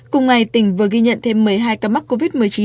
cùng ngày tỉnh vừa ghi nhận thêm một mươi hai ca mắc covid một mươi chín